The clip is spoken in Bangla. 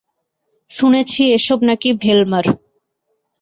শুনেছি এসব নাকি ভেলমার।